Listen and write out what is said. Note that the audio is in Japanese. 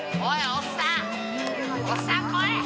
おっさん来い！